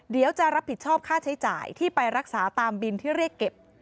เดี๋ยวจะรับผิดชอบค่าใช้จ่ายที่ไปรักษาตามบินที่เรียกเก็บ